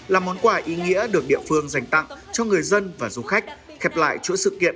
là món quà ý nghĩa được địa phương dành tặng cho người dân và du khách khép lại chỗ sự kiện độc đáo và sôi động